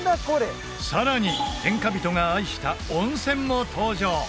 これさらに天下人が愛した温泉も登場